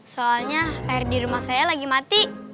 soalnya air di rumah saya lagi mati